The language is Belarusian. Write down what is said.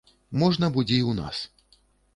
Можна будзе і ў нас.